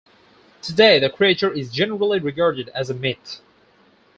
Today the creature is generally regarded as a myth.